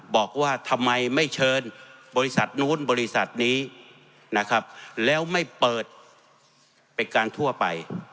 บอกว่าทำไมไม่เชิญบริษัทนู้นบริษัทนี้นะครับแล้วไม่เปิดเป็นการทั่วไป